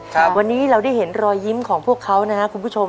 ครับวันนี้เราได้เห็นรอยยิ้มของพวกเขานะครับคุณผู้ชม